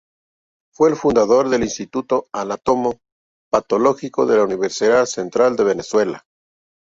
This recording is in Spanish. Fue el fundador del Instituto Anatomo-Patológico de la Universidad Central de Venezuela.